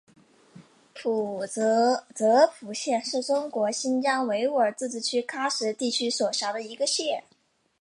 泽普县是中国新疆维吾尔自治区喀什地区所辖的一个县。